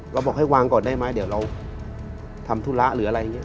บอกให้วางก่อนได้ไหมเดี๋ยวเราทำธุระหรืออะไรอย่างนี้